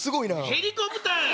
ヘリコプターや！